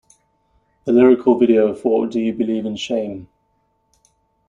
The lyrical video for Do You Believe In Shame?